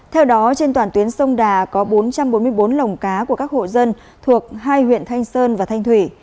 theo đó trên toàn tuyến sông đà có bốn trăm bốn mươi bốn lồng cá của các hộ dân thuộc hai huyện thanh sơn và thanh thủy